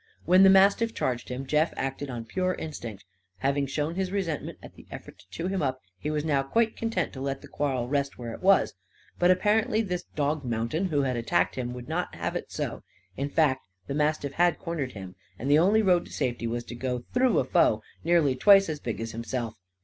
When the mastiff charged him Jeff acted on pure instinct. Having shown his resentment at the effort to chew him up, he was now quite content to let the quarrel rest where it was. But apparently this dog mountain who had attacked him would not have it so. In fact, the mastiff had cornered him. And the only road to safety was to go through a foe nearly twice as big as himself.